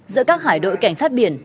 giữa các hải đội cảnh sát biển